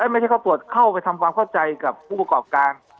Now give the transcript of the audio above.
ไม่ใช่เขาตรวจเข้าไปทำความเข้าใจกับผู้ประกอบการ